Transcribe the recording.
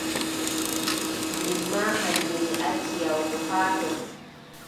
Min maa hannde mi acci yahugo haa ton.